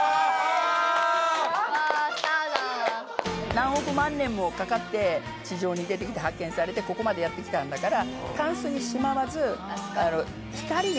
何億万年もかかって地上に出てきて発見されてここまでやってきたんだから。